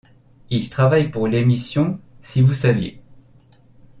Il travaille pour l’émission Si vous saviez.